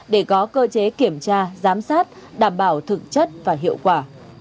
để có cơ chế kiểm tra giám sát đảm bảo thực chất và hiệu quả